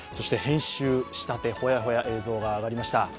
編集仕立てほやほや、映像が上がりました。